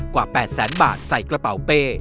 กว่า๘แสนบาทใส่กระเป๋าเป้